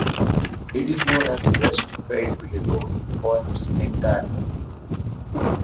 It is known as West Fayetteville Road for its entire length.